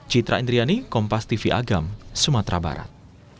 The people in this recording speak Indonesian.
citra indriani kompas tv agam sumatera barat